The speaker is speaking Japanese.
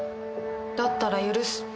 だったら許す。